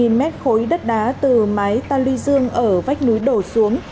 hơn một m khối đất đá từ mái tà lư dương ở vách núi đổ xuống